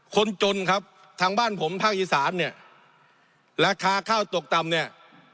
คนจนครับทางบ้านผมภาคอีสานเนี่ยราคาข้าวตกต่ำเนี่ย